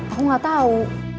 aku gak tau